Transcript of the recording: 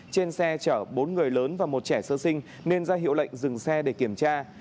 trên xe chở bốn người lớn và một trẻ sơ sinh nên ra hiệu lệnh dừng xe để kiểm tra